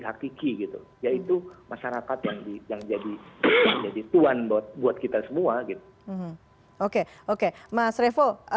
hakiki gitu yaitu masyarakat yang dijangkau jadi tuhan buat buat kita semua gitu oke oke mas revo